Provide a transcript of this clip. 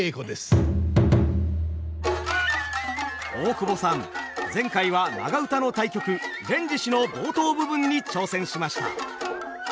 大久保さん前回は長唄の大曲「連獅子」の冒頭部分に挑戦しました。